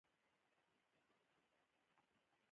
پیلوټ تل چټک عکس العمل لري.